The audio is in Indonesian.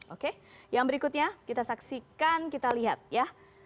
oke yang berikutnya kita saksikan kita lihat ya